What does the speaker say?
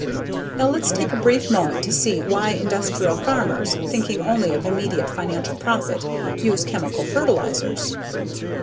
Now, lets take a brief moment to see why industrial farmers thinking only of immediate financial profit, use chemical fertilizers.